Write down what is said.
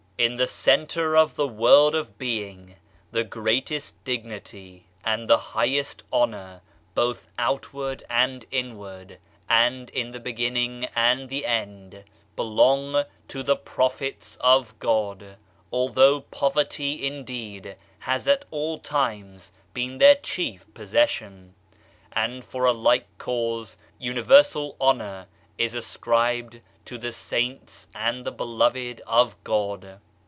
In the center of the world of being, the greatest dignity and the highest honor, both outward and inward, and in the beginning and the end, belong to the prophets of God, although poverty indeed has at all times been their chief possession; and for a like cause universal honor is ascribed to the saints and the beloved of God.